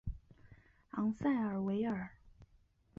昂塞尔维尔。